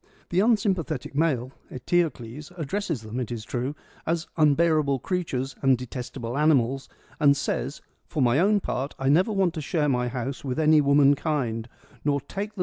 The unsym pathetic male, Eteocles, addresses them, it is true, as ' unbearable creatures ' and ' detestable animals,' and says, ' For my own part, I never want to share my house with any womankind, nor take them to 70